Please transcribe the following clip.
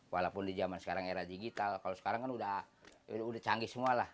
walaupun di zaman sekarang era digital kalau sekarang kan udah canggih semua lah